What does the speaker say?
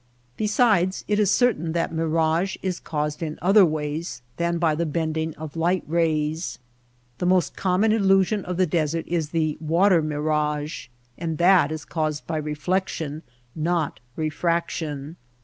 Besides, it is certain that mirage is caused in other ways than by the bending of light rays. The most common illusion of the desert is the water mirage and that is caused by reflection, not refraction.